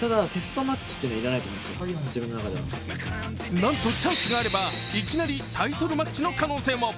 なんと、チャンスがあればいきなりタイトルマッチの可能性も。